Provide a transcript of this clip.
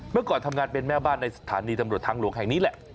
เมื่อก่อนทำงานเป็นแม่บ้านในสถานีตำรวจทางหลวงแห่งนี้แหละ